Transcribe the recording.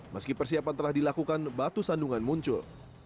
meski persiapan telah dilakukan batu sandungan muncul